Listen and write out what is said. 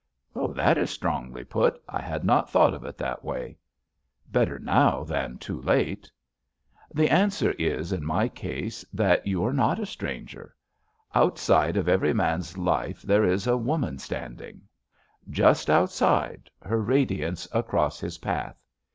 "That is strongly put. I had not thought of it that way." "Better now than too late." "The answer is, in my case, that you are J^ JUST SWEETHEARTS ^ not a stranger. Outside of every man's life there is a woman standing — ^just outside, her radiance across his path.